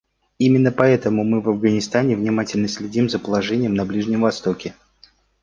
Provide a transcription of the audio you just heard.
Именно поэтому мы, в Афганистане, внимательно следим за положением на Ближнем Востоке.